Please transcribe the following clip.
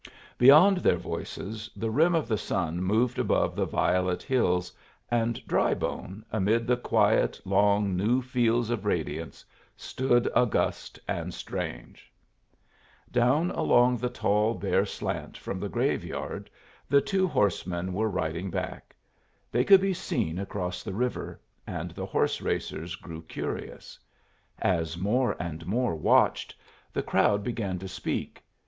Beyond their voices the rim of the sun moved above the violet hills, and Drybone, amid the quiet, long, new fields of radiance, stood august and strange. Down along the tall, bare slant from the graveyard the two horsemen were riding back. They could be seen across the river, and the horse racers grew curious. As more and more watched, the crowd began to speak.